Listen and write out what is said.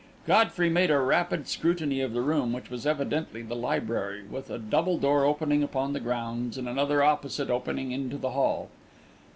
Godfrey made a rapid scrutiny of the room, which was evidently the library, with a double door opening upon the grounds and another opposite opening into the hall.